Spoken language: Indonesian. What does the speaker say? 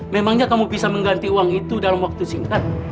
memangnya kamu bisa mengganti uang itu dalam waktu singkat